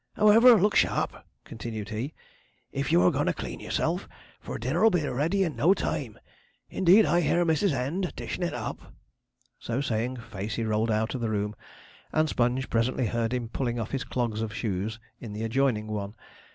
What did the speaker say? However, look sharp,' continued he, 'if you are goin' to clean yourself; for dinner 'll be ready in no time, indeed, I hear Mrs. End dishin' it up.' So saying, Facey rolled out of the room, and Sponge presently heard him pulling off his clogs of shoes in the adjoining one.